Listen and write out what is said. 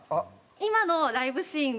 今のライブシーン